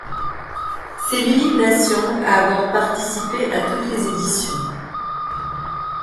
C'est l'unique nation à avoir participé à toutes les éditions.